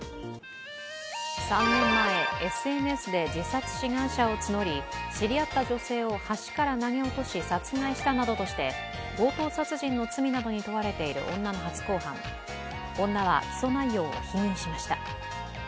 ３年前、ＳＮＳで自殺志願者を募り、知り合った女性を橋から投げ落とし殺害したなどとして強盗殺人などの罪に問われている女の初公判、女は起訴内容を否認しました。